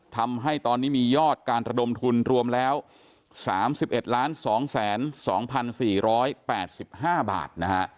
ทำให้ตอนนี้มียอดการระดมทุนรวมแล้ว๓๑๒๒๔๘๕บาทนะฮะ